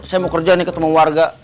saya mau kerja nih ketemu warga